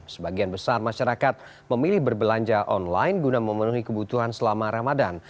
sebagian besar masyarakat memilih berbelanja online guna memenuhi kebutuhan selama ramadan